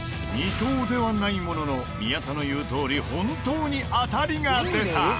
２等ではないものの宮田の言うとおり本当に当たりが出た！